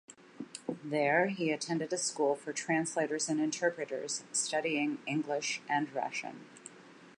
There, he attended a school for translators and interpreters, studying English and Russian.